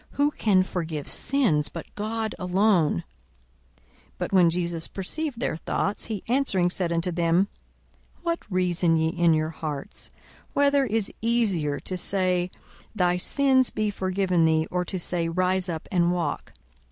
Who can forgive sins, but God alone? 42:005:022 But when Jesus perceived their thoughts, he answering said unto them, What reason ye in your hearts? 42:005:023 Whether is easier, to say, Thy sins be forgiven thee; or to say, Rise up and walk?